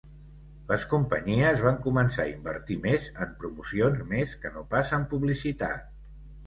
Les companyies van començar a invertir més en promocions més que no pas en publicitat.